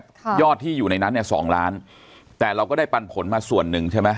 ยอดที่อยู่ในนั้นเนี่ยสองล้านแต่เราก็ได้ปันผลมาส่วนหนึ่งใช่ไหม